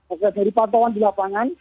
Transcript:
oke dari pantauan di lapangan